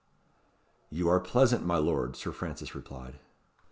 "You are pleasant, my lord," Sir Francis replied.